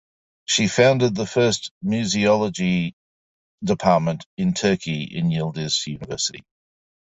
She founded the first Museology department in Turkey in Yildiz University.